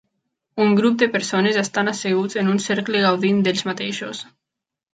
Un grup de persones estan asseguts en un cercle gaudint d'ells mateixos.